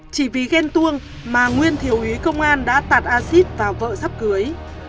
chỉ vì ghen tuông mà nguyên thiếu ý công an đã tạt acid vào vợ sắp cưới